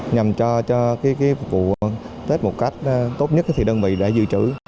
nhằm cho phục vụ tết một cách tốt nhất thì đơn vị đã dự trữ